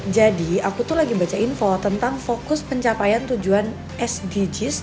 aku tuh lagi baca info tentang fokus pencapaian tujuan sdgs